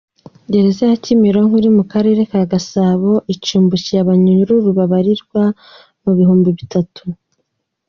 Gereza ya Kimironko uri mu karere ka Gasabo icumbikiye abanyururu babarirwa mu bihumbi bitatu .